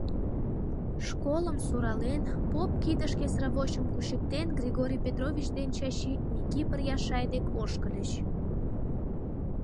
Школым сурален, поп кидышке сравочым кучыктен, Григорий Петрович ден Чачи Микипыр Яшай дек ошкыльыч.